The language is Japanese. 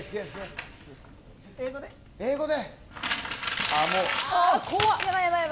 英語で。